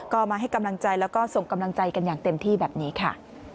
ก็มาให้กำลังใจแล้วก็ส่งกำลังใจกันอย่างเต็มที่แบบนี้ค่ะ